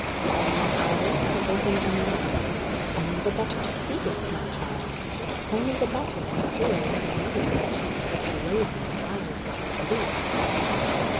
"Why are my eyelids so open and wild?" Only the better to see with, my child! Only the better and clearer to view Cheeks that are rosy and eyes that are blue.